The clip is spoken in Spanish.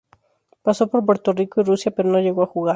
Pasó por Puerto Rico y Rusia pero no llegó a jugar.